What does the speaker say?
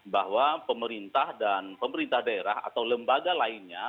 bahwa pemerintah dan pemerintah daerah atau lembaga lainnya